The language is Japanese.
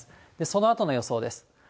そのあとの予想です。